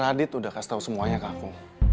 radit udah kasih tau semuanya ke aku